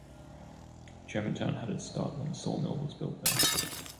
Germantown had its start when a sawmill was built there.